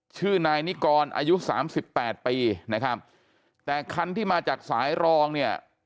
ชื่อนายนิกรอายุสามสิบแปดปีนะครับแต่คันที่มาจากสายรองเนี่ย